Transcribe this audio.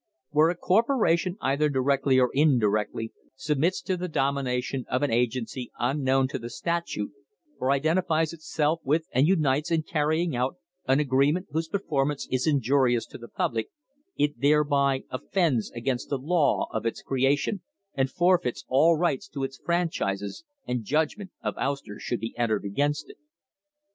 "Where a corporation, either directly or indirectly, submits to the domination of an agency unknown to the statute, or identifies itself with and unites in carrying out an agreement whose performance is injurious to the public, it thereby offends against [I 4 8] THE BREAKING UP OF THE TRUST the law of its creation and forfeits all rights to its franchises, and judgment of ouster should be entered against it.